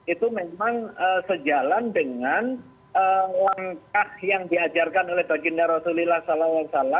itu memang sejalan dengan langkah yang diajarkan oleh baginda rasulullah saw